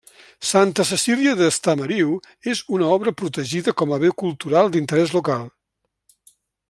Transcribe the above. Santa Cecília d'Estamariu és una obra protegida com a bé cultural d'interès local.